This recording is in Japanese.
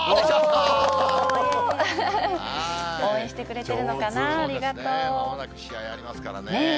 応援してくれてるのかな、まもなく試合ありますからね。